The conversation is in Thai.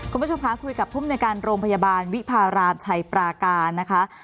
คุณผู้ชมคะคุยกับผู้มนุยการโรงพยาบาลวิพารามชัยปราการนะคะ